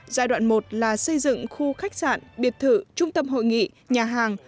giai đoạn một là xây dựng khu khách sạn biệt thự trung tâm hội nghị nhà hàng